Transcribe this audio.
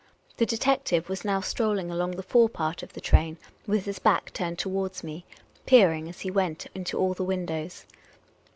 The detective was now strolling along the fore part of the train, with his back turned towards nie, peering as he went into all the windows.